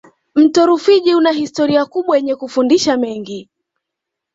mto rufiji una historia kubwa yenye kufundisha mengi